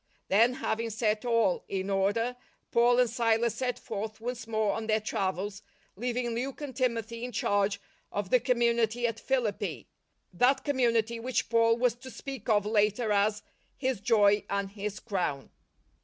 Then, having set all in order, Paul and Silas set forth once more on their travels, leaving Luke and Timothy in charge of the community at Philippi — that community which Paul was to speak of later as " his joy and his crown."